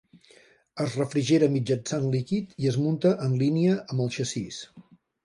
Es refrigera mitjançant líquid i es munta en línia amb el xassís.